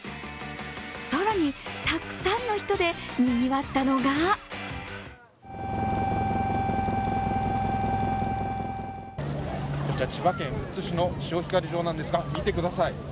更に、たくさんの人でにぎわったのがこちら千葉県富津市の潮干狩り場なんですが、見てください